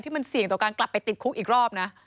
มันเสี่ยงต่อการกลับไปติดคุกอีกรอบนะ